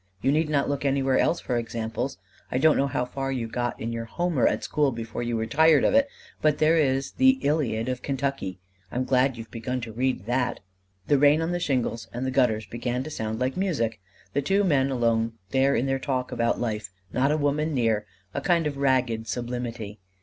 You need not look anywhere else for examples. I don't know how far you got in your Homer at school before you were tired of it; but there is the Iliad of Kentucky: I am glad you have begun to read that!" The rain on the shingles and in the gutters began to sound like music. The two men alone there in their talk about life, not a woman near, a kind of ragged sublimity.